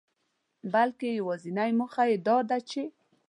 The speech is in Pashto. بلکي يوازنۍ موخه يې داده چي